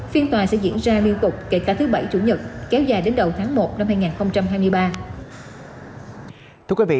phiên tòa sẽ diễn ra liên tục kể cả thứ bảy chủ nhật kéo dài đến đầu tháng một năm hai nghìn hai mươi ba